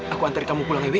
aku antar kamu pulang dewi